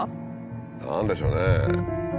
何でしょうね？